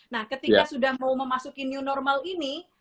nah ketika sudah mau memasuki new normal ini